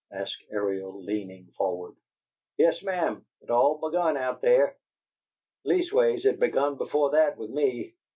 asked Ariel, leaning forward. "Yes, ma'am. It all begun out there, least ways it begun before that with me.